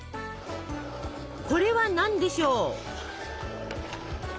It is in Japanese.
これは何でしょう？